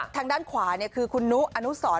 ทางด้านขวาเนี่ยคือคุณนุอนูสร